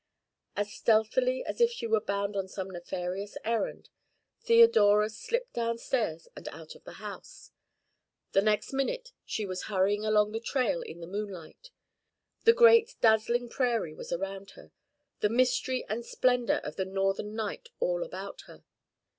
As stealthily as if she were bound on some nefarious errand, Theodora slipped downstairs and out of the house. The next minute she was hurrying along the trail in the moonlight. The great dazzling prairie was around her, the mystery and splendour of the northern night all about her.